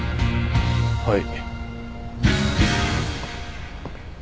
はい。